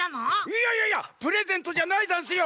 いやいやいやプレゼントじゃないざんすよ！